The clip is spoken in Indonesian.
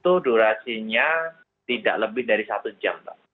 itu durasinya tidak lebih dari satu jam mbak